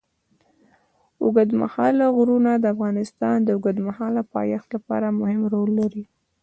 اوږده غرونه د افغانستان د اوږدمهاله پایښت لپاره مهم رول لري.